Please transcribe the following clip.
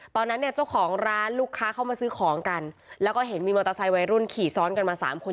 ตอนนั้นเนี่ยเจ้าของร้านลูกค้าเข้ามาซื้อของกันแล้วก็เห็นมีมอเตอร์ไซค์วัยรุ่นขี่ซ้อนกันมาสามคน